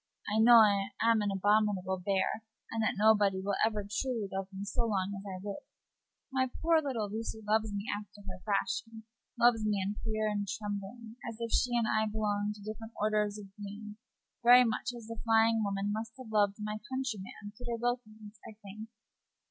"I know I am an abominable bear, and that nobody will ever truly love me so long as I live. My poor little Lucy loves me after her fashion loves me in fear and trembling, as if she and I belonged to different orders of beings very much as the flying woman must have loved my countryman, Peter Wilkins, I think.